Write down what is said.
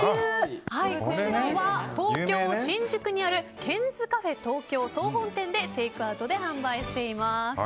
こちらは東京・新宿にあるケンズカフェ東京総本店でテイクアウトで販売しています。